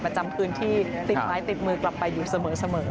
จำพื้นที่ติดไม้ติดมือกลับไปอยู่เสมอ